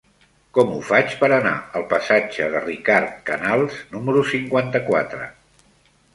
Com ho faig per anar al passatge de Ricard Canals número cinquanta-quatre?